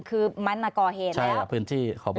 คือมันก่อเหตุแล้วใช่พื้นที่ขอเบอร์